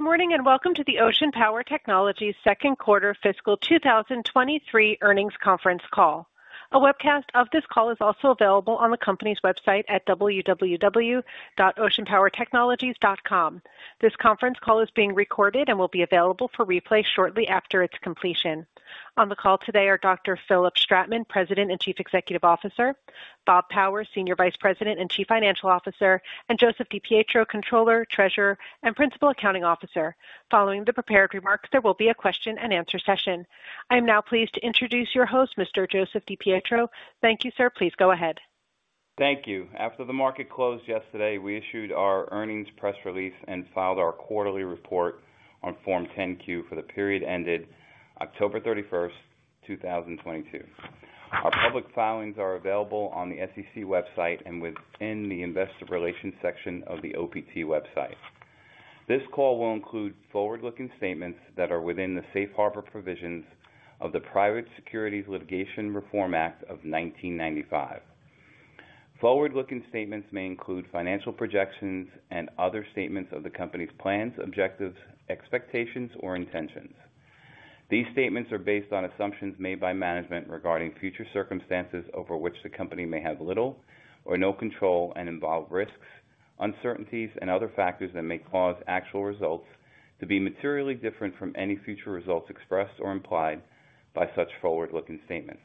Good morning, and welcome to the Ocean Power Technologies second quarter fiscal 2023 earnings conference call. A webcast of this call is also available on the company's website at www.oceanpowertechnologies.com. This conference call is being recorded and will be available for replay shortly after its completion. On the call today are Dr. Philipp Stratmann, President and Chief Executive Officer, Bob Powers, Senior Vice President and Chief Financial Officer, and Joseph DiPietro, Comptroller, Treasurer, and Principal Accounting Officer. Following the prepared remarks, there will be a question-and-answer session. I am now pleased to introduce your host, Mr. Joseph DiPietro. Thank you, sir. Please go ahead. Thank you. After the market closed yesterday, we issued our earnings press release and filed our quarterly report on Form 10-Q for the period ended October 31, 2022. Our public filings are available on the SEC website and within the investor relations section of the OPT website. This call will include forward-looking statements that are within the Safe Harbor provisions of the Private Securities Litigation Reform Act of 1995. Forward-looking statements may include financial projections and other statements of the company's plans, objectives, expectations, or intentions. These statements are based on assumptions made by management regarding future circumstances over which the company may have little or no control and involve risks, uncertainties, and other factors that may cause actual results to be materially different from any future results expressed or implied by such forward-looking statements.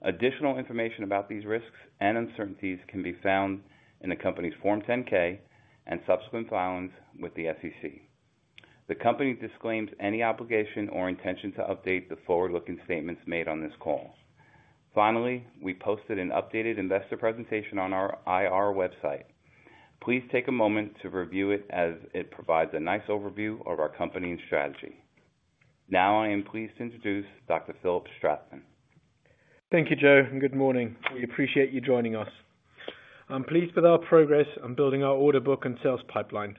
Additional information about these risks and uncertainties can be found in the company's Form 10-K and subsequent filings with the SEC. The company disclaims any obligation or intention to update the forward-looking statements made on this call. Finally, we posted an updated investor presentation on our IR website. Please take a moment to review it as it provides a nice overview of our company and strategy. Now I am pleased to introduce Dr. Philipp Stratmann. Thank you, Joe. Good morning. We appreciate you joining us. I'm pleased with our progress on building our order book and sales pipeline.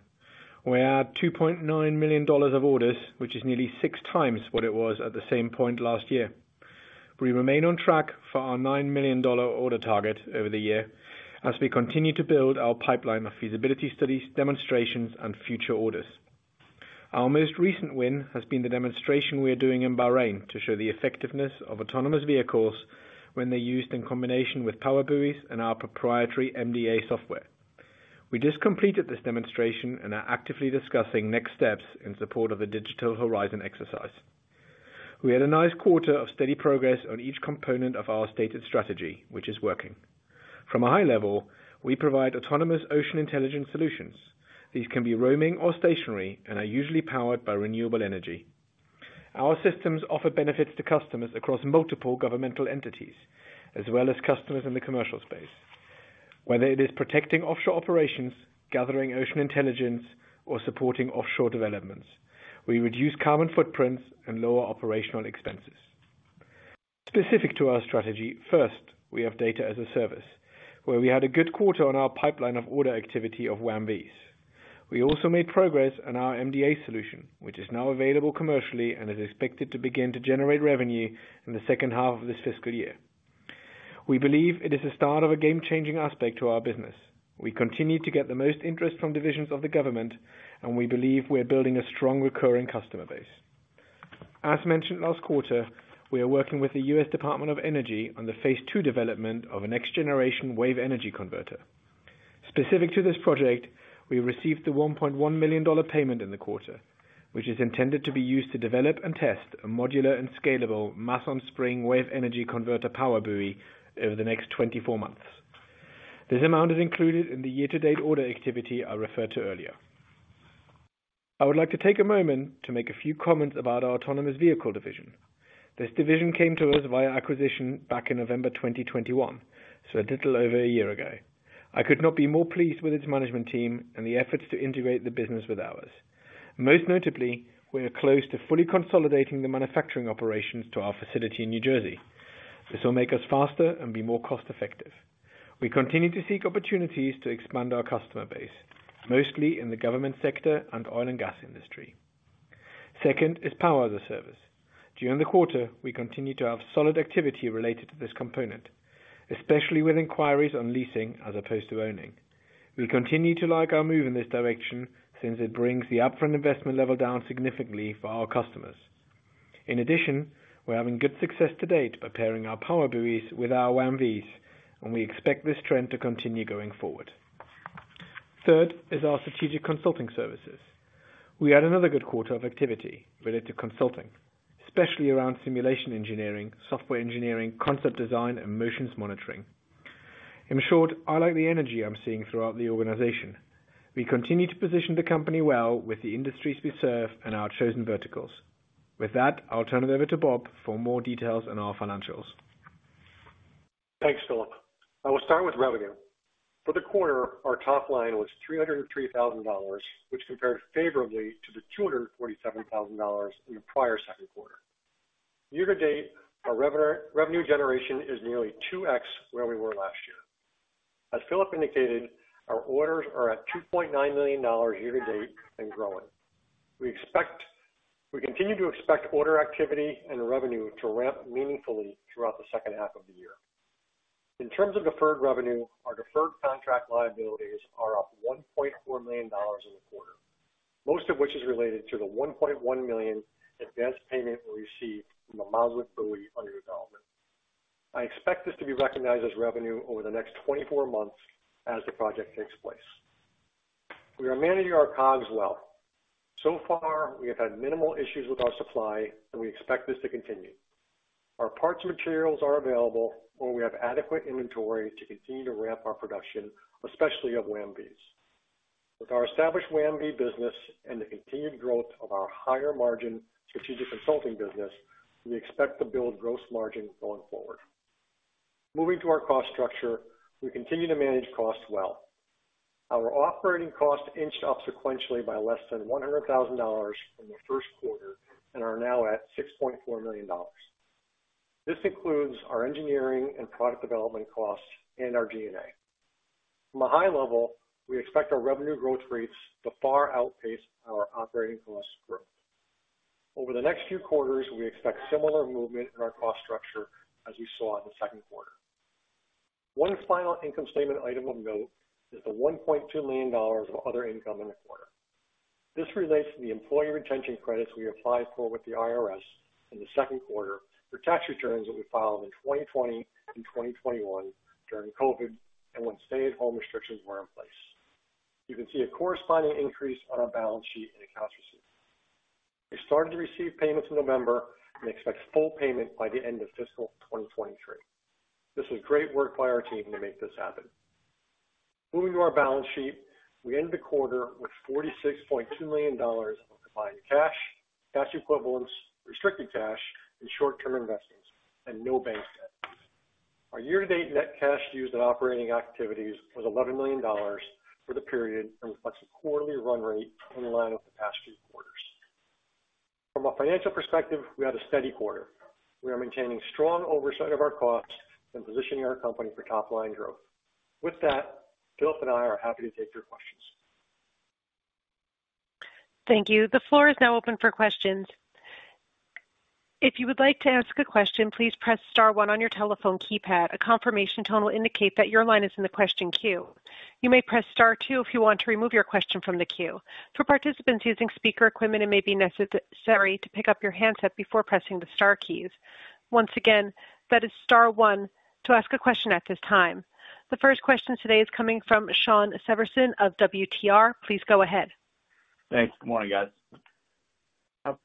We're at $2.9 million of orders, which is nearly 6x what it was at the same point last year. We remain on track for our $9 million order target over the year as we continue to build our pipeline of feasibility studies, demonstrations, and future orders. Our most recent win has been the demonstration we are doing in Bahrain to show the effectiveness of autonomous vehicles when they're used in combination with PowerBuoys and our proprietary MDA software. We just completed this demonstration and are actively discussing next steps in support of the Digital Horizon exercise. We had a nice quarter of steady progress on each component of our stated strategy, which is working. From a high level, we provide autonomous ocean intelligence solutions. These can be roaming or stationary and are usually powered by renewable energy. Our systems offer benefits to customers across multiple governmental entities, as well as customers in the commercial space, whether it is protecting offshore operations, gathering ocean intelligence, or supporting offshore developments. We reduce carbon footprints and lower operational expenses. Specific to our strategy, first, we have Data as a Service, where we had a good quarter on our pipeline of order activity of WAM-Vs. We also made progress on our MDA solution, which is now available commercially and is expected to begin to generate revenue in the second half of this fiscal year. We believe it is the start of a game-changing aspect to our business. We continue to get the most interest from divisions of the government, and we believe we are building a strong recurring customer base. As mentioned last quarter, we are working with the U.S. Department of Energy on the phase II development of a next-generation wave energy converter. Specific to this project, we received the $1.1 million payment in the quarter, which is intended to be used to develop and test a modular and scalable Mass-on-Spring wave energy converter PowerBuoy over the next 24 months. This amount is included in the year-to-date order activity I referred to earlier. I would like to take a moment to make a few comments about our autonomous vehicle division. This division came to us via acquisition back in November 2021, so a little over a year ago. I could not be more pleased with its management team and the efforts to integrate the business with ours. Most notably, we are close to fully consolidating the manufacturing operations to our facility in New Jersey. This will make us faster and be more cost-effective. We continue to seek opportunities to expand our customer base, mostly in the government sector and oil and gas industry. Second is Power as a Service. During the quarter, we continued to have solid activity related to this component, especially with inquiries on leasing as opposed to owning. We continue to like our move in this direction since it brings the upfront investment level down significantly for our customers. In addition, we're having good success to date by pairing our power buoys with our WAM-Vs, and we expect this trend to continue going forward. Third is our strategic consulting services. We had another good quarter of activity related to consulting, especially around simulation engineering, software engineering, concept design, and motions monitoring. In short, I like the energy I'm seeing throughout the organization. We continue to position the company well with the industries we serve and our chosen verticals. With that, I'll turn it over to Bob for more details on our financials. Thanks, Philipp. I will start with revenue. For the quarter, our top line was $303,000, which compared favorably to the $247,000 in the prior second quarter. Year to date, our revenue generation is nearly 2x where we were last year. As Philipp indicated, our orders are at $2.9 million year to date and growing. We continue to expect order activity and revenue to ramp meaningfully throughout the second half of the year. In terms of deferred revenue, our deferred contract liabilities are up $1.4 million in the quarter, most of which is related to the $1.1 million advanced payment we received from the MOSWEC buoy under development. I expect this to be recognized as revenue over the next 24 months as the project takes place. We are managing our COGS well. So far, we have had minimal issues with our supply, and we expect this to continue. Our parts and materials are available, and we have adequate inventory to continue to ramp our production, especially of WAM-Vs. With our established WAM-V business and the continued growth of our higher margin strategic consulting business, we expect to build gross margin going forward. Moving to our cost structure. We continue to manage costs well. Our operating costs inched up sequentially by less than $100,000 from the first quarter and are now at $6.4 million. This includes our engineering and product development costs and our G&A. From a high level, we expect our revenue growth rates to far outpace our operating cost growth. Over the next few quarters, we expect similar movement in our cost structure as you saw in the second quarter. One final income statement item of note is the $1.2 million of other income in the quarter. This relates to the Employee Retention Credit we applied for with the IRS in the second quarter for tax returns that we filed in 2020 and 2021 during COVID and when stay-at-home restrictions were in place. You can see a corresponding increase on our balance sheet in accounts receivable. We started to receive payments in November and expect full payment by the end of fiscal 2023. This was great work by our team to make this happen. Moving to our balance sheet. We ended the quarter with $46.2 million of combined cash equivalents, restricted cash and short-term investments and no bank debt. Our year-to-date net cash used in operating activities was $11 million for the period and reflects a quarterly run rate in line with the past few quarters. From a financial perspective, we had a steady quarter. We are maintaining strong oversight of our costs and positioning our company for top line growth. With that, Philipp and I are happy to take your questions. Thank you. The floor is now open for questions. If you would like to ask a question, please press star one on your telephone keypad. A confirmation tone will indicate that your line is in the question queue. You may press star two if you want to remove your question from the queue. For participants using speaker equipment, it may be necessary to pick up your handset before pressing the star keys. Once again, that is star one to ask a question at this time. The first question today is coming from Shawn Severson of WTR. Please go ahead. Thanks. Good morning, guys.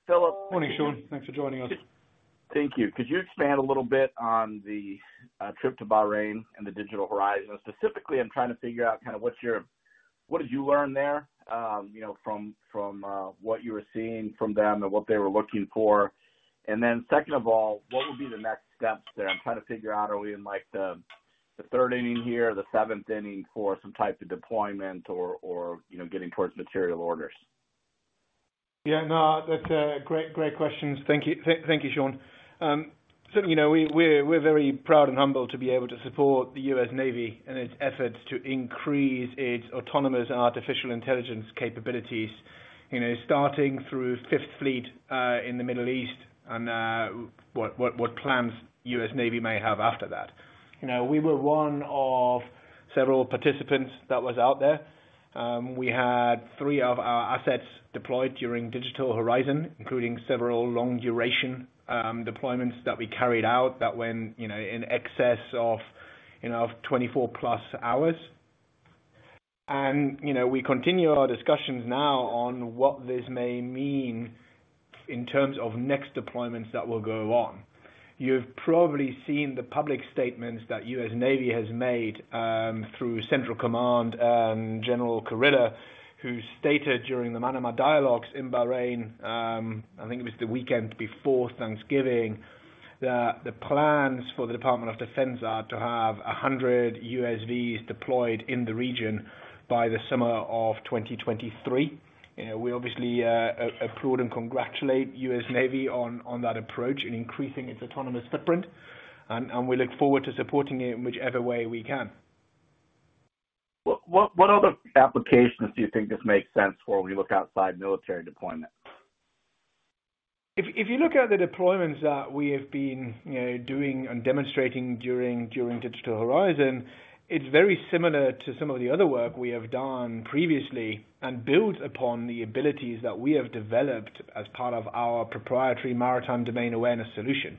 Philip. Morning, Shawn. Thanks for joining us. Thank you. Could you expand a little bit on the trip to Bahrain and the Digital Horizon? Specifically, I'm trying to figure out kind of what did you learn there, you know, from what you were seeing from them and what they were looking for? Second of all, what would be the next steps there? I'm trying to figure out, are we in, like, the third inning here, the seventh inning for some type of deployment or, you know, getting towards material orders? Yeah, no, that's great questions. Thank you. Thank you, Shawn. Certainly, you know, we're very proud and humbled to be able to support the U.S. Navy in its efforts to increase its autonomous and artificial intelligence capabilities, you know, starting through Fifth Fleet in the Middle East and what plans U.S. Navy may have after that. You know, we were one of several participants that was out there. We had three of our assets deployed during Digital Horizon, including several long duration deployments that we carried out that went, you know, in excess of, you know, 24+ hours. You know, we continue our discussions now on what this may mean in terms of next deployments that will go on. You've probably seen the public statements that U.S. Navy has made, through Central Command and General Kurilla, who stated during the Manama Dialogue in Bahrain, I think it was the weekend before Thanksgiving, that the plans for the Department of Defense are to have 100 USVs deployed in the region by the summer of 2023. You know, we obviously applaud and congratulate U.S. Navy on that approach in increasing its autonomous footprint, and we look forward to supporting it in whichever way we can. What other applications do you think this makes sense for when we look outside military deployment? If you look at the deployments that we have been, you know, doing and demonstrating during Digital Horizon, it's very similar to some of the other work we have done previously and builds upon the abilities that we have developed as part of our proprietary maritime domain awareness solution.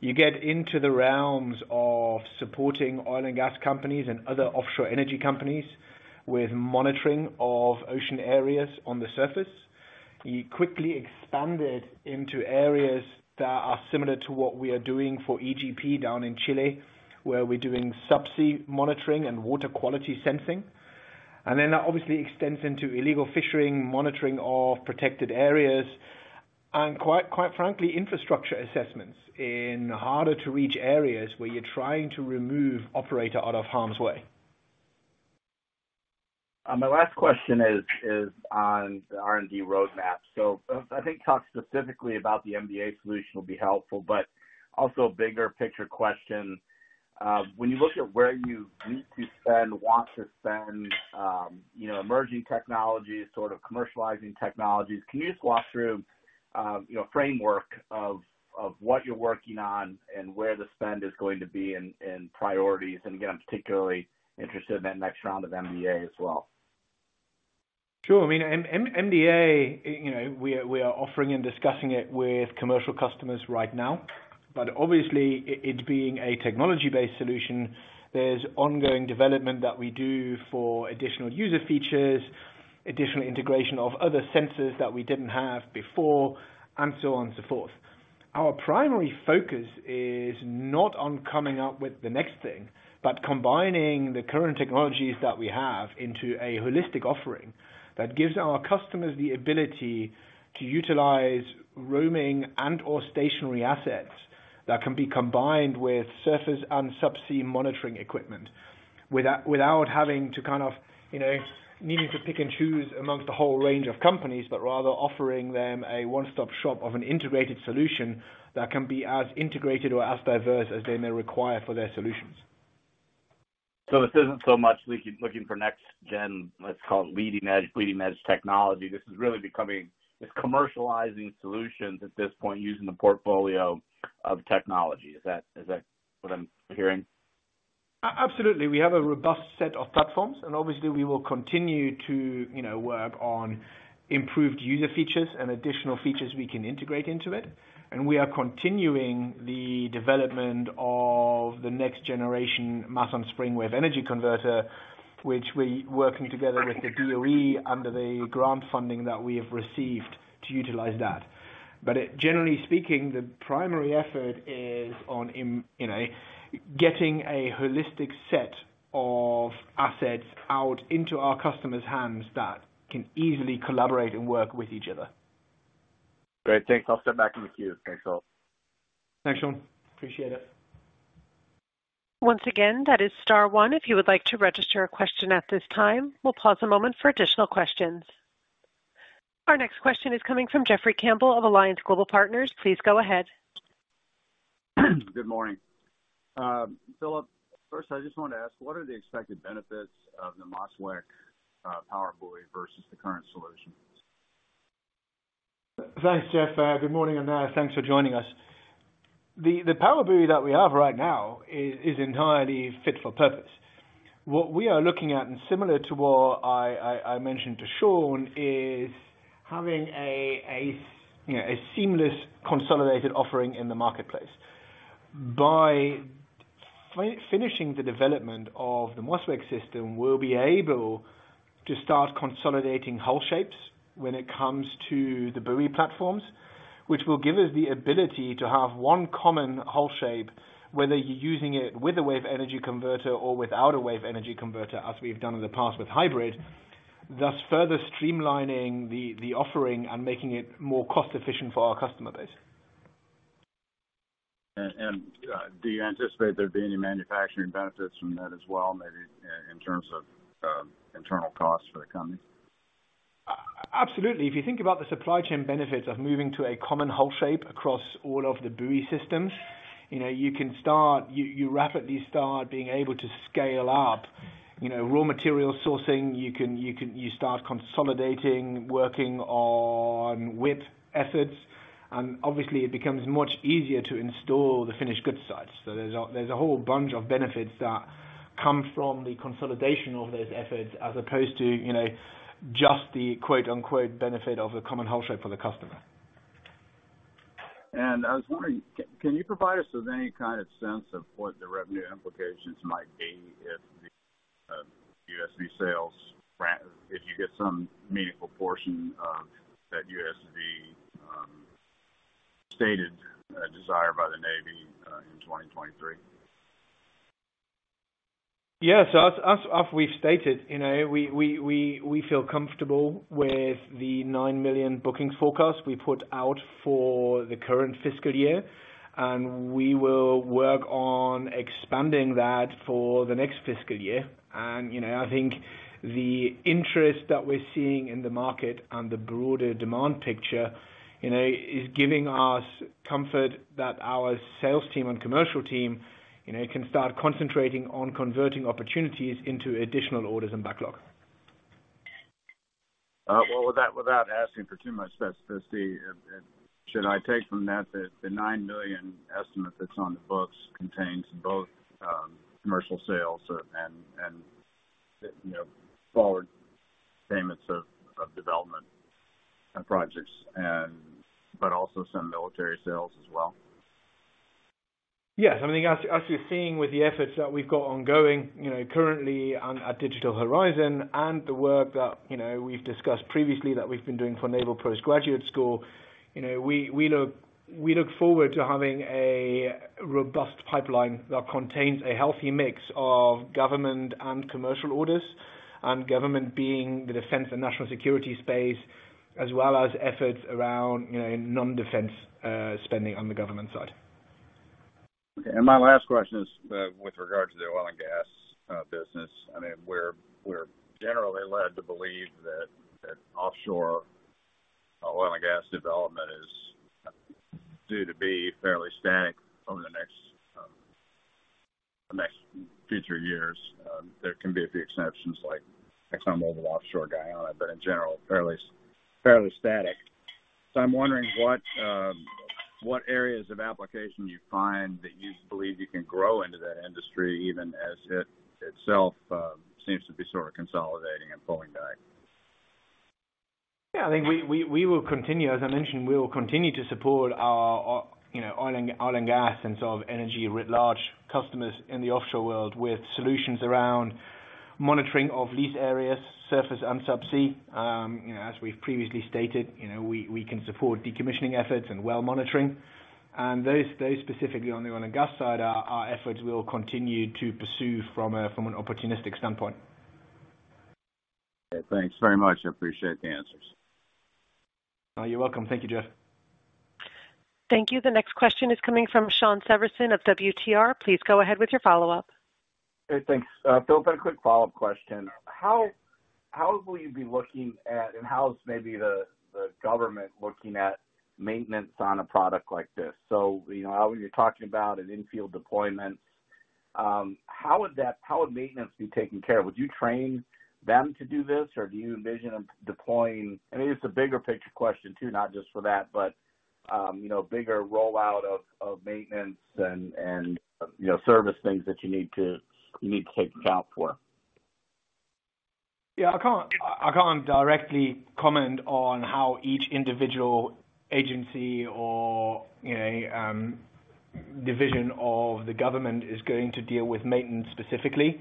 You get into the realms of supporting oil and gas companies and other offshore energy companies with monitoring of ocean areas on the surface. You quickly expand it into areas that are similar to what we are doing for EGP down in Chile, where we're doing subsea monitoring and water quality sensing. That obviously extends into illegal fishing, monitoring of protected areas and quite frankly, infrastructure assessments in harder to reach areas where you're trying to remove operator out of harm's way. My last question is on the R&D roadmap. I think talk specifically about the MDA solution will be helpful, but also a bigger picture question. When you look at where you need to spend, want to spend, you know, emerging technologies, sort of commercializing technologies, can you just walk through, you know, framework of what you're working on and where the spend is going to be in priorities? Again, I'm particularly interested in that next round of MDA as well. Sure. I mean, MDA, you know, we are offering and discussing it with commercial customers right now, but obviously it being a technology-based solution, there's ongoing development that we do for additional user features, additional integration of other sensors that we didn't have before, and so on and so forth. Our primary focus is not on coming up with the next thing, but combining the current technologies that we have into a holistic offering that gives our customers the ability to utilize roaming and/or stationary assets that can be combined with surface and subsea monitoring equipment without having to kind of, you know, needing to pick and choose amongst a whole range of companies, but rather offering them a one-stop shop of an integrated solution that can be as integrated or as diverse as they may require for their solutions. This isn't so much looking for next gen, let's call it leading edge technology. It's commercializing solutions at this point, using the portfolio of technology. Is that what I'm hearing? Absolutely. Obviously we will continue to, you know, work on improved user features and additional features we can integrate into it. We are continuing the development of the next generation Mass-on-Spring wave energy converter, which we're working together with the DOE under the grant funding that we have received to utilize that. Generally speaking, the primary effort is on getting a holistic set of assets out into our customers' hands that can easily collaborate and work with each other. Great. Thanks. I'll step back in the queue. Thanks, all. Thanks, Shawn. Appreciate it. Once again, that is star one if you would like to register a question at this time. We'll pause a moment for additional questions. Our next question is coming from Jeffrey Campbell of Alliance Global Partners. Please go ahead. Good morning. Philipp, first I just wanted to ask, what are the expected benefits of the MOSWEC PowerBuoy versus the current solutions? Thanks, Jeff. Good morning, and thanks for joining us. The PowerBuoy that we have right now is entirely fit for purpose. What we are looking at, and similar to what I mentioned to Shawn Severson, is having a, you know, a seamless, consolidated offering in the marketplace. By finishing the development of the MOSWEC system, we'll be able to start consolidating hull shapes when it comes to the buoy platforms, which will give us the ability to have one common hull shape, whether you're using it with a wave energy converter or without a wave energy converter, as we've done in the past with hybrid, thus further streamlining the offering and making it more cost efficient for our customer base. Do you anticipate there being any manufacturing benefits from that as well, maybe in terms of internal costs for the company? Absolutely. If you think about the supply chain benefits of moving to a common hull shape across all of the buoy systems, you know, you rapidly start being able to scale up, you know, raw material sourcing. You start consolidating, working on width efforts, and obviously it becomes much easier to install the finished goods sites. There's a whole bunch of benefits that come from the consolidation of those efforts as opposed to, you know, just the quote-unquote, benefit of a common hull shape for the customer. I was wondering, can you provide us with any kind of sense of what the revenue implications might be if the USV sales if you get some meaningful portion of that USV stated desire by the Navy in 2023? Yeah. As we've stated, you know, we feel comfortable with the $9 million booking forecast we put out for the current fiscal year. We will work on expanding that for the next fiscal year. I think the interest that we're seeing in the market and the broader demand picture, you know, is giving us comfort that our sales team and commercial team, you know, can start concentrating on converting opportunities into additional orders and backlog. Well, without asking for too much specificity, should I take from that the $9 million estimate that's on the books contains both, commercial sales, and, you know, forward payments of development projects and but also some military sales as well? Yes. I mean, as you're seeing with the efforts that we've got ongoing, you know, currently and at Digital Horizon and the work that, you know, we've discussed previously that we've been doing for Naval Postgraduate School, you know, we look forward to having a robust pipeline that contains a healthy mix of government and commercial orders, and government being the defense and national security space, as well as efforts around, you know, non-defense spending on the government side. My last question is with regards to the oil and gas business. I mean, we're generally led to believe that offshore oil and gas development is due to be fairly static over the next the next future years. There can be a few exceptions like ExxonMobil's offshore Guyana, but in general, fairly static. I'm wondering what areas of application you find that you believe you can grow into that industry, even as it itself, seems to be sort of consolidating and pulling back. Yeah, I think we will continue. As I mentioned, we will continue to support our, you know, oil and gas and sort of energy with large customers in the offshore world with solutions around monitoring of lease areas, surface and subsea. You know, as we've previously stated, you know, we can support decommissioning efforts and well monitoring. Those specifically on the oil and gas side are our efforts we will continue to pursue from a, from an opportunistic standpoint. Okay. Thanks very much. I appreciate the answers. Oh, you're welcome. Thank you, Jeff. Thank you. The next question is coming from Shawn Severson of WTR. Please go ahead with your follow-up. Hey, thanks. Phil, quick follow-up question. How will you be looking at, and how's maybe the government looking at maintenance on a product like this? You know, how when you're talking about an in-field deployment, how would maintenance be taken care of? Would you train them to do this or do you envision them deploying? I mean, it's a bigger picture question too, not just for that, but, you know, bigger rollout of maintenance and, you know, service things that you need to take account for. Yeah. I can't directly comment on how each individual agency or, you know, division of the government is going to deal with maintenance specifically.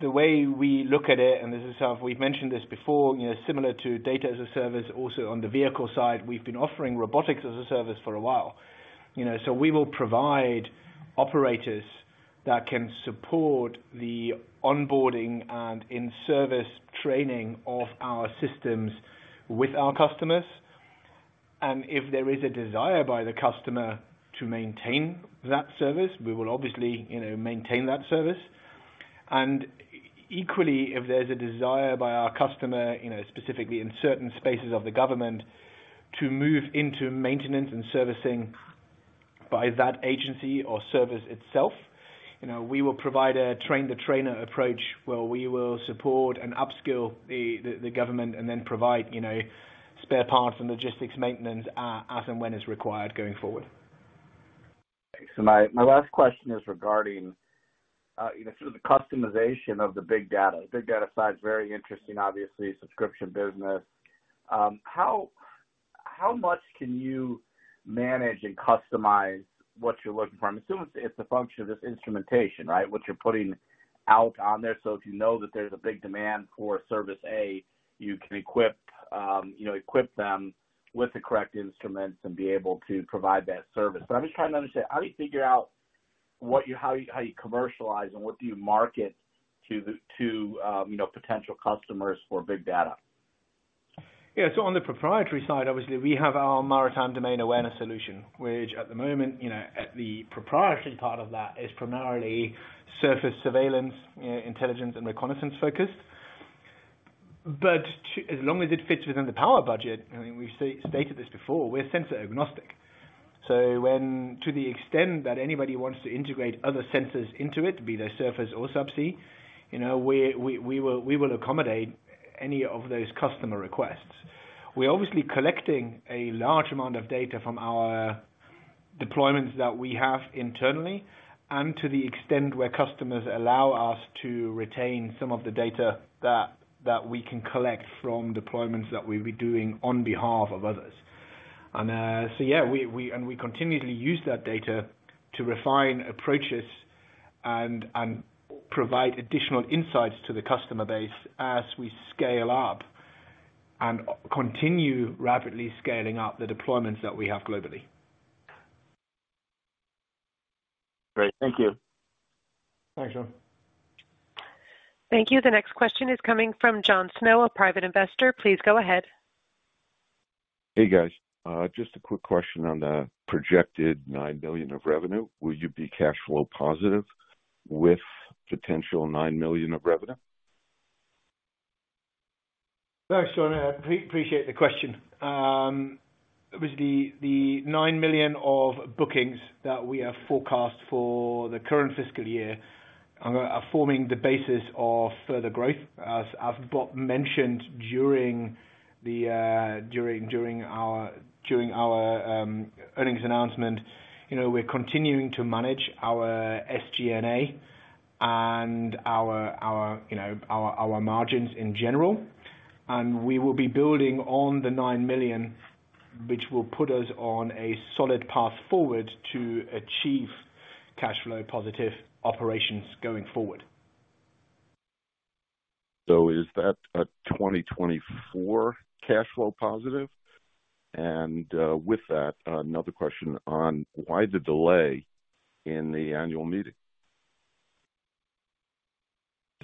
The way we look at it, and this is how we've mentioned this before, you know, similar to Data as a Service, also on the vehicle side, we've been offering Robotics as a Service for a while. You know, so we will provide operators that can support the onboarding and in-service training of our systems with our customers. If there is a desire by the customer to maintain that service, we will obviously, you know, maintain that service. Equally, if there's a desire by our customer, you know, specifically in certain spaces of the government to move into maintenance and servicing by that agency or service itself, you know, we will provide a train the trainer approach where we will support and upskill the government and then provide, you know, spare parts and logistics maintenance as and when is required going forward. My last question is regarding, you know, sort of the customization of the big data. Big data side is very interesting obviously, subscription business. How much can you manage and customize what you're looking for? I'm assuming it's the function of this instrumentation, right? What you're putting out on there. If you know that there's a big demand for service A, you can equip, you know, them with the correct instruments and be able to provide that service. I'm just trying to understand how do you figure out what you, how you commercialize and what do you market to the, you know, potential customers for big data? Yeah. On the proprietary side, obviously we have our maritime domain awareness solution, which at the moment, you know, at the proprietary part of that is primarily surface surveillance, you know, intelligence and reconnaissance-focused. As long as it fits within the power budget, I mean, we've stated this before, we're sensor agnostic. To the extent that anybody wants to integrate other sensors into it, be they surface or sub-sea, you know, we will accommodate any of those customer requests. We're obviously collecting a large amount of data from our deployments that we have internally and to the extent where customers allow us to retain some of the data that we can collect from deployments that we'll be doing on behalf of others. Yeah, we continually use that data to refine approaches and provide additional insights to the customer base as we scale up and continue rapidly scaling up the deployments that we have globally. Great. Thank you. Thanks, Shawn. Thank you. The next question is coming from John Snow, a private investor. Please go ahead. Hey, guys. Just a quick question on the projected $9 million of revenue. Will you be cash flow positive with potential $9 million of revenue? Thanks, John. I appreciate the question. Obviously the $9 million of bookings that we have forecast for the current fiscal year are forming the basis of further growth. As Bob mentioned during our earnings announcement. You know, we're continuing to manage our SG&A and our margins in general. We will be building on the $9 million, which will put us on a solid path forward to achieve cash flow positive operations going forward. Is that a 2024 cash flow positive? With that, another question on why the delay in the annual meeting?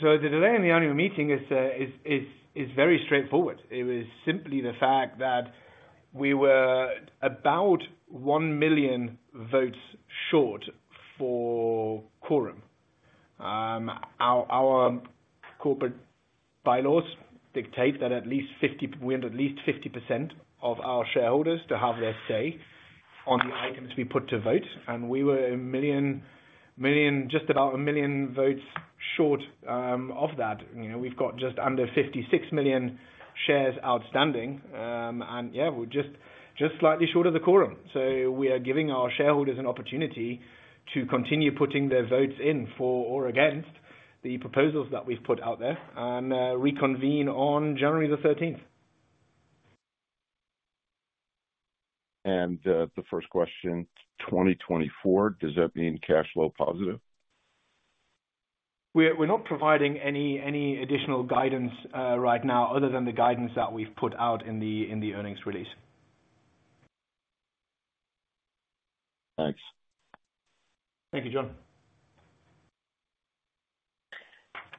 The delay in the annual meeting is very straightforward. It was simply the fact that we were about 1 million votes short for quorum. Our corporate bylaws dictate that we have at least 50% of our shareholders to have their say on the items we put to vote, and we were 1 million, just about 1 million votes short of that. You know, we've got just under 56 million shares outstanding. Yeah, we're just slightly short of the quorum. We are giving our shareholders an opportunity to continue putting their votes in for or against the proposals that we've put out there and reconvene on January 13th. The first question, 2024, does that mean cash flow positive? We're not providing any additional guidance right now other than the guidance that we've put out in the earnings release. Thanks. Thank you, John.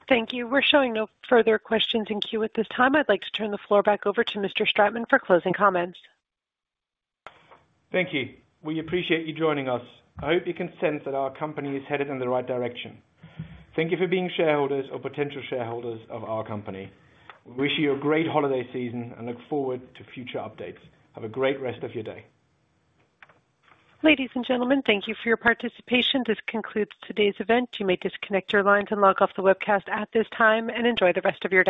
Thank you. We're showing no further questions in queue at this time. I'd like to turn the floor back over to Mr. Stratmann for closing comments. Thank you. We appreciate you joining us. I hope you can sense that our company is headed in the right direction. Thank you for being shareholders or potential shareholders of our company. We wish you a great holiday season and look forward to future updates. Have a great rest of your day. Ladies and gentlemen, thank you for your participation. This concludes today's event. You may disconnect your lines and log off the webcast at this time, and enjoy the rest of your day.